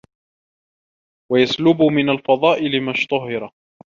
وَيَسْلُبَ مِنْ الْفَضَائِلِ مَا اشْتَهَرَ